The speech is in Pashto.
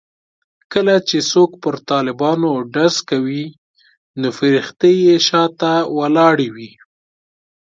کله چې څوک پر طالبانو ډز کوي نو فرښتې یې شا ته ولاړې وي.